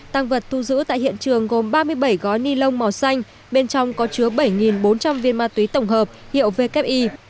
tăng vật thu giữ tại hiện trường gồm ba mươi bảy gói ni lông màu xanh bên trong có chứa bảy bốn trăm linh viên ma túy tổng hợp hiệu vki